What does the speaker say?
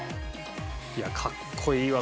いやかっこいいわ。